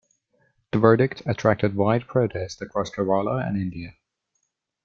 The verdict attracted wide protest across Kerala and India.